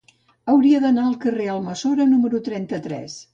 Hauria d'anar al carrer d'Almassora número trenta-tres.